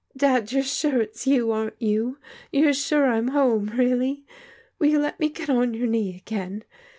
Dad, you're sure it's you, aren't you? You're sure I'm home, really? Will you let me get on your knee again?